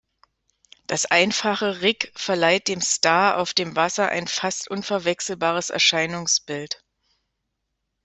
Das einfache Rigg verleiht dem Star auf dem Wasser ein fast unverwechselbares Erscheinungsbild.